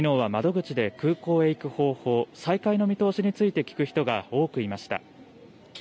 きのうは窓口で空港へ行く方法、再開の見通しについて聞く人が多くいました。